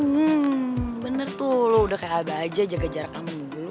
hmm bener tuh lo udah kayak abah aja jaga jarak aman dulu